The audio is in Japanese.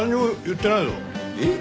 えっ？